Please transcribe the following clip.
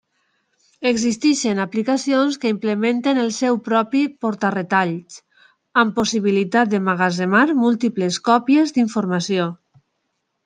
Existeixen aplicacions que implementen el seu propi porta-retalls, amb possibilitat d'emmagatzemar múltiples còpies d'informació.